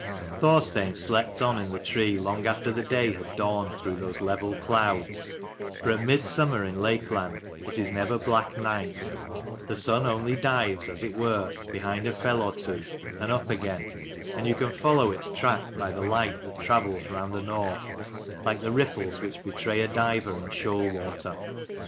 HORSTEIN slept on in the tree long after the day had dawned through those level clouds : for at mid summer in Lakeland it is never black night; the sun only dives, as it were, behind a fell or two, and up again ; and you can follow its track by the light 88 that travels round the north, like the ripples which betray a diver in shoal water.